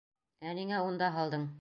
Ә ниңә унда һалдың?